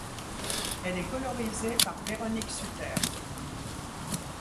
Elle est colorisée par Véronique Sutter.